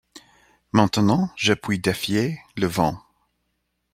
Maintenant je puis défier le vent.